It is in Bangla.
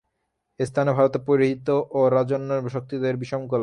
এস্থানেও ভারতে পৌরোহিত্য ও রাজন্যশক্তিদ্বয়ের বিষম কলহ।